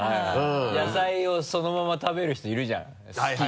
野菜をそのまま食べる人いるじゃん好きで。